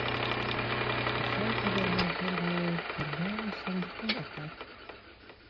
کەچەڵ کە دەرمانکەر بێت دەرمانی سەری خۆی ئەکات